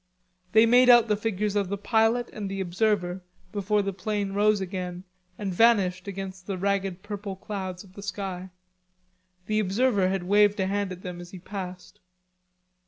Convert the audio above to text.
They made out the figures of the pilot and the observer before the plane rose again and vanished against the ragged purple clouds of the sky. The observer had waved a hand at them as he passed.